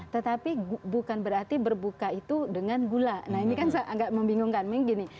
tetapi bukan berarti berbuka itu dengan gula nah ini kan agak membingungkan gini